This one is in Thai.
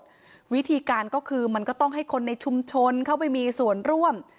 วิธีการก็คือมันก็ต้องให้คนในชุมชนเข้าไปมีส่วนร่วม